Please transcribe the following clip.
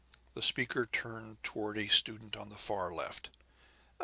The speaker turned toward a student on the far left.